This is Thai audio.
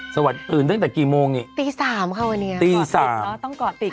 สวัสดีอื่นตั้งแต่กี่โมงเนี้ยตีสามค่ะวันเนี้ยตีสามต้องกอดติด